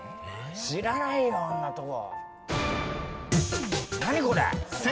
知らないよそんなとこ。